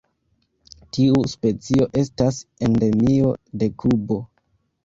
Tiu specio estas endemio de Kubo.